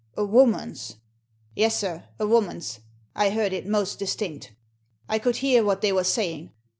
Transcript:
"A woman's?" "Yes, sir, a woman's — I heard it most distinct. I could hear what they were saying.